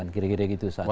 kira kira gitu saat itu